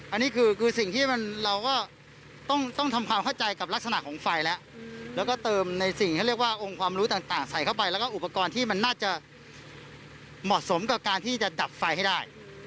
อันนี้คือสิ่งที่เราก็ต้องทำความเข้าใจกับลักษณะของไฟแล้วแล้วก็เติมในสิ่งที่เรียกว่าองค์ความรู้ต่างใส่เข้าไปแล้วก็อุปกรณ์ที่มันน่าจะเหมาะสมกับการที่จะดับไฟให้ได้